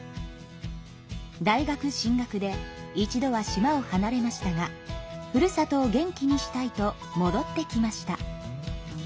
大学進学で一度は島を離れましたがふるさとを元気にしたいともどってきました。